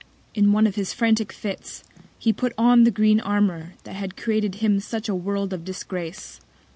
In one of his frantick Fits, he put on the green Armour, that had created him such a World of Disgrace.